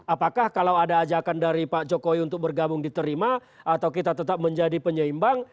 apakah kalau ada ajakan dari pak jokowi untuk bergabung diterima atau kita tetap menjadi penyeimbang